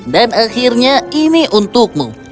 dan akhirnya ini untukmu